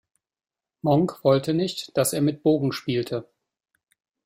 Monk wollte nicht, dass er mit Bogen spielte.